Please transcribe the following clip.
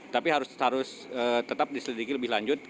tapi harus tetap diselidiki lebih lanjut